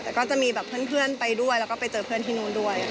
แต่ก็จะมีแบบเพื่อนไปด้วยแล้วก็ไปเจอเพื่อนที่นู่นด้วย